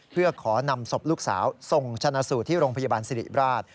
เพื่อขอนำศพลูกสาวส่งชนะสูตรที่โรงพยาบาลสิริราช